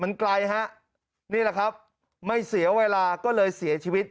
นี่แหละครับไม่เสียเวลาก็เลยเสียชีวิต